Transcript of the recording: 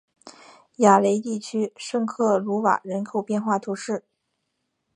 雅雷地区圣克鲁瓦人口变化图示